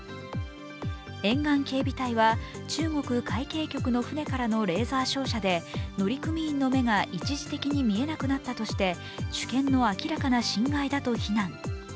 沿岸警備隊は中国海警局の船からのレーザー照射で乗組員の目が一時的に見えなくなったとして主権の明らかな侵害だと非難。